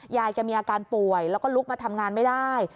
ยายแกมีอาการป่วยแล้วก็ลุกมาทำงานไม่ได้